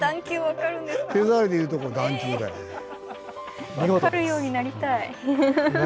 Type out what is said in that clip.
分かるようになりたい。